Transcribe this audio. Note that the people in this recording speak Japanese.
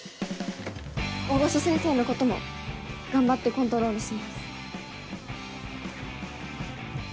大御所先生のことも頑張ってコントロールします。